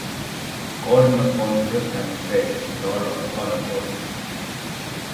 Gordon was born in Brisbane, Australia, the daughter of Donna Gordon.